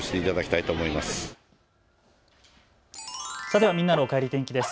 ではみんなのおかえり天気です。